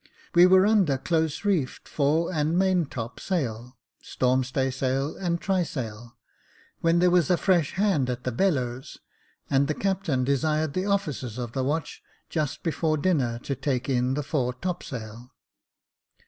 We were under close reefed fore and main top sail, storm staysail and trysail, when there was a fresh hand at the bellows, and the captain desired the officers of the watch, just before dinner, to take in the fore top sail.